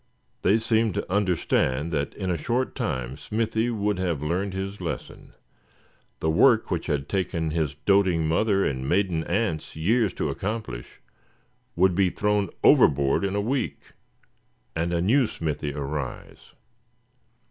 They seemed to understand that in a short time Smithy would have learned his lesson. The work which had taken his doting mother and maiden aunts years to accomplish, would be thrown overboard in a week, and a new Smithy arise.